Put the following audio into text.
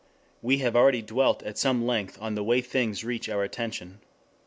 We have already dwelt at some length on the way things reach our attention.